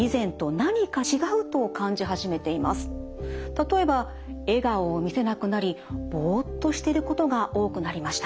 例えば笑顔を見せなくなりボッとしてることが多くなりました。